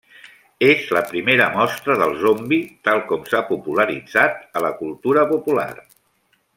És la primera mostra del zombi tal com s'ha popularitzat a la cultura popular.